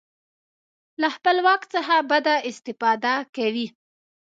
له خپل واک څخه بده استفاده کوي.